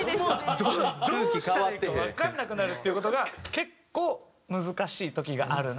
どうしたらいいかわからなくなるっていう事が結構難しい時があるな。